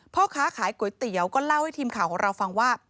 พ่อค้าขายก๋วยเตี๋ยวก็เล่าให้ทีมข่าวของเราฟังว่า